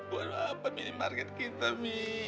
buat apa mi market kita mi